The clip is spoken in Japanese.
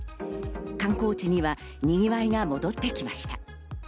観光地にはにぎわいが戻ってきました。